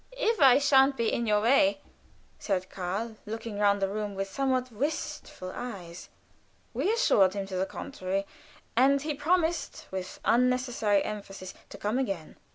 "If I sha'n't be in your way," said Karl, looking round the room with somewhat wistful eyes. We assured him to the contrary, and he promised, with unnecessary emphasis, to come again.